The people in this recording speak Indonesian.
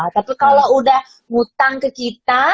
tapi kalau udah ngutang ke kita